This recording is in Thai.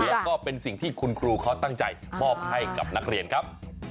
แล้วก็เป็นสิ่งที่คุณครูเขาตั้งใจมอบให้กับนักเรียนครับ